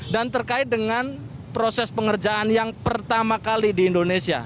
dan terkait dengan proses pengerjaan yang pertama kali di indonesia